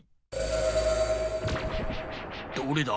どれだ？